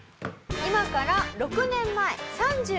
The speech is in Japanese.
今から６年前３５歳の時